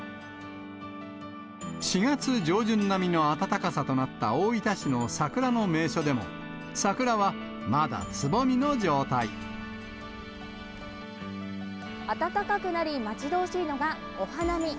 ４月上旬並みの暖かさとなった大分市の桜の名所でも、桜はまだつ暖かくなり、待ち遠しいのがお花見。